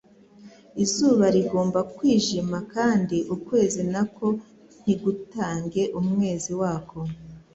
izuba rigomba kwijima kandi ukwezi nako ntigutange umwezi wako.